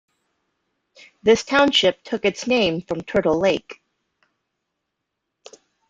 This township took its name from Turtle Lake.